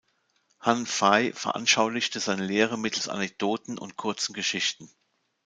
Han Fei veranschaulichte seine Lehre mittels Anekdoten und kurzen Geschichten.